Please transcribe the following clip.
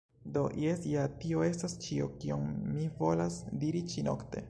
Do, jes ja, tio estas ĉio, kion mi volas diri ĉi-nokte